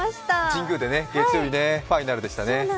神宮でね、月曜日ファイナルでしたね。